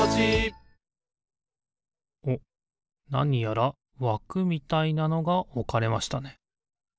なにやらわくみたいなのがおかれましたね。